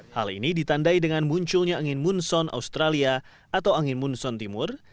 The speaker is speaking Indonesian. hal ini ditandai dengan munculnya angin munson australia atau angin munson timur